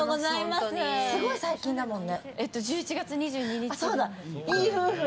すごい最近だもんね。